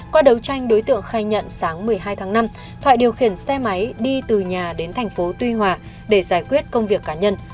qua đấu tranh đối tượng khai nhận sáng một mươi hai tháng năm thoại điều khiển xe máy đi từ nhà đến thành phố tuy hòa để giải quyết công việc cá nhân